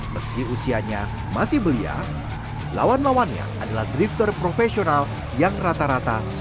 meski usianya masih belia lawan lawannya adalah drifter profesional yang rata rata